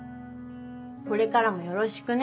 これからもよろしくね。